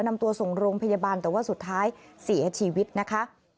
นำตัวส่งโรงพยาบาลแต่ว่าสุดท้ายเสียชีวิตนะคะ